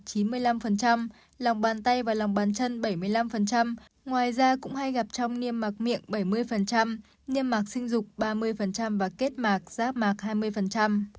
ban mọc chủ yếu ở mặt chín mươi năm lòng ban tay và lòng ban chân bảy mươi năm ngoài ra cũng hay gặp trong niêm mạc miệng bảy mươi niêm mạc sinh dục ba mươi và kết mạc giáp mạc hai mươi